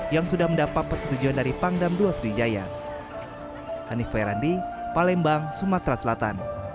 yang sudah mendapat persetujuan dari pangdam ii sri jaya